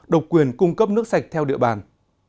độc quyền cung cấp nước sạch theo địa bàn